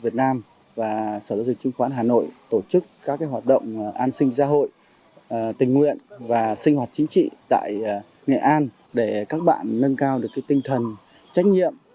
thông qua hành trình tình nguyện trên quê hương bắc